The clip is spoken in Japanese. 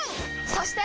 そして！